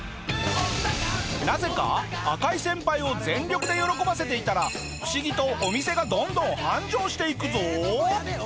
なぜか赤井先輩を全力で喜ばせていたら不思議とお店がどんどん繁盛していくぞ！